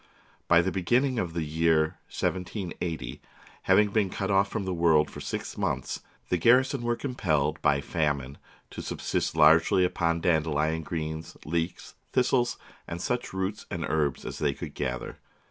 By the beginning of the year 1780, having been cut off from the world for six months, the garrison were compelled by famine to subsist largely upon dandelion greens, leeks, this tles, and such roots and herbs as they could gather.